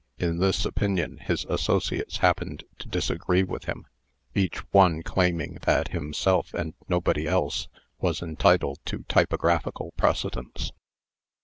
In this opinion his associates happened to disagree with him, each one claiming that himself, and nobody else, was entitled to typographical precedence.